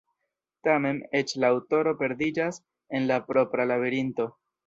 Tamen, eĉ la aŭtoro perdiĝas en la propra labirinto.